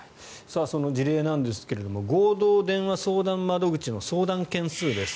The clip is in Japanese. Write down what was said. その事例なんですが合同電話相談窓口の相談件数です。